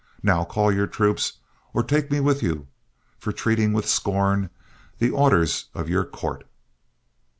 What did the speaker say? Now call your troops, or take me with you for treating with scorn the orders of your court."